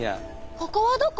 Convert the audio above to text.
ここはどこ？